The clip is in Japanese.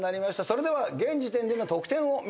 それでは現時点での得点を見てみましょう。